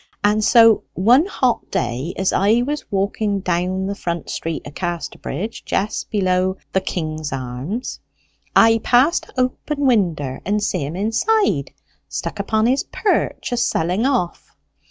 And so one hot day as I was walking down the front street o' Casterbridge, jist below the King's Arms, I passed a' open winder and see him inside, stuck upon his perch, a selling off.